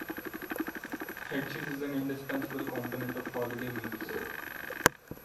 Head cheese is an indispensable component of holiday meals.